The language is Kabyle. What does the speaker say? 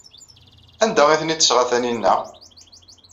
Anda ay ten-id-tesɣa Taninna?